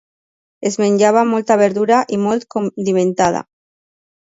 Es menjava molta verdura i molt condimentada.